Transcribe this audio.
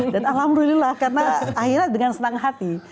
dan alhamdulillah karena aira dengan senang hati